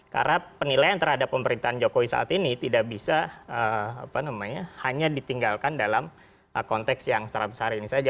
karena penilaian terhadap pemerintahan jokowi saat ini tidak bisa hanya ditinggalkan dalam konteks yang seratus hari ini saja